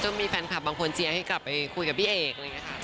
นะมีแฟนคลับบางคนเจียนกลับไปคุยกับพี่เอก